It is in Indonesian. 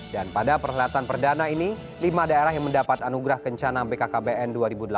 dan pada perlihatan perdana ini lima daerah yang mendapat anugerah kencana bkkbn dua ribu delapan belas